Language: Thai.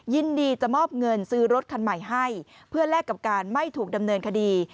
ยินดีจะมอบเงินซื้อรถคันใหม่ให้เพื่อแลกกับการไม่ถูกดำเนินคดี